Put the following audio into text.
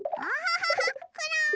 あら？